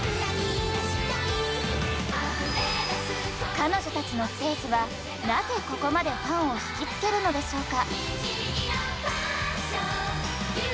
彼女たちのステージはなぜここまでファンを引き付けるのでしょうか。